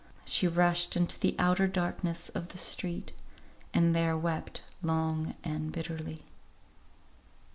She rushed into the outer darkness of the street, and there wept long and bitterly.